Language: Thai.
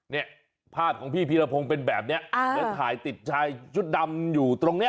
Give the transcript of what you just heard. เนี่ยภาพของพี่พีรพงศ์เป็นแบบนี้แล้วถ่ายติดชายชุดดำอยู่ตรงเนี้ย